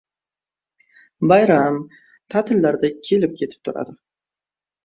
Bayram, ta’tillarda kelib- ketib turdi.